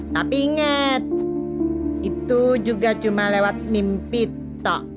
tapi inget itu juga cuma lewat mimpi tok